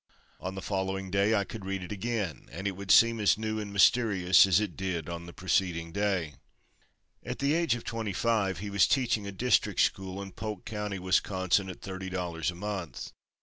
On the following day I could read it again and it would seem as new and mysterious as it did on the preceding day." At the age of twenty five, he was teaching a district school in Polk County, Wisconsin, at thirty dollars a month.